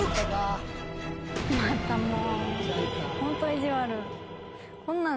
またもう。